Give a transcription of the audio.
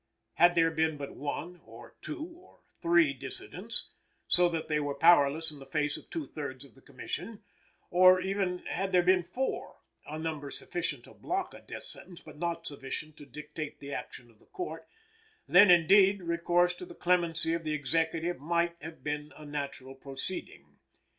Had there been but one, or two, or three dissentients, so that they were powerless in the face of two thirds of the Commission; or even had there been four a number sufficient to block a death sentence but not sufficient to dictate the action of the Court, then, indeed, recourse to the clemency of the Executive might have been a natural proceeding.